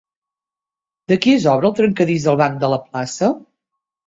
De qui és obra el trencadís del banc de la plaça?